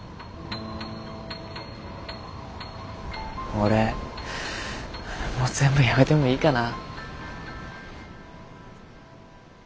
俺もう全部やめてもいいかな。